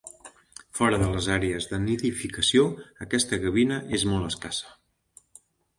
Fora de les àrees de nidificació, aquesta gavina és molt escassa.